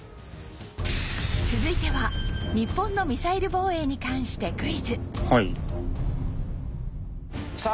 続いては日本のミサイル防衛に関してクイズさあ